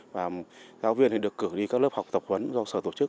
và giáo viên thì được cử đi các lớp học tập huấn do sở tổ chức